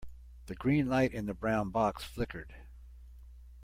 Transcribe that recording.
The green light in the brown box flickered.